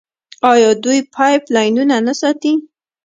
آیا دوی پایپ لاینونه نه ساتي؟